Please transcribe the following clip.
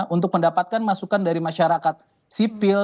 untuk mendapatkan masukan dari masyarakat sipil